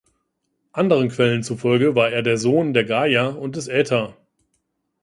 Anderen Quellen zufolge war er der Sohn der Gaia und des Aether.